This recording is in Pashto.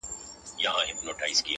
چي ان د اختر په شپه هم